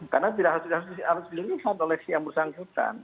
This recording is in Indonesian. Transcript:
karena tidak harus dilihat oleh si yang bersangkutan